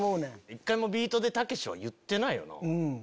一回も「ビートＤＥたけし」は言ってないよな。